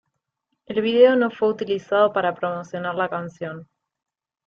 El vídeo no fue utilizado para promocionar la canción.